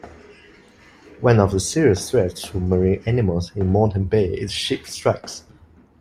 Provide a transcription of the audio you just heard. One of serious threats to marine animals in Moreton Bay is ship-strikes.